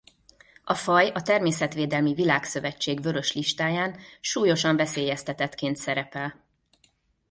A faj a Természetvédelmi Világszövetség Vörös listáján súlyosan veszélyeztetettként szerepel.